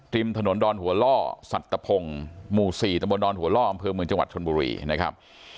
ริมถนนดอนหัวล่อสัตวพงศ์หมู่๔ตะบนดอนหัวล่ออำเภอเมืองจังหวัดชนบุรีนะครับ